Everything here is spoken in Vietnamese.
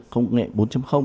công nghệ bốn